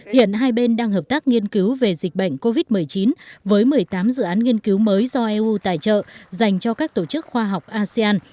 hiện hai bên đang hợp tác nghiên cứu về dịch bệnh covid một mươi chín với một mươi tám dự án nghiên cứu mới do eu tài trợ dành cho các tổ chức khoa học asean